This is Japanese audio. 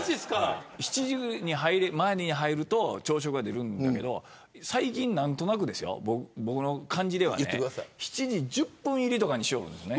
７時前に入ると朝食が出るんだけど最近何となく、僕の感じではね７時１０分入りとかにしよるんです。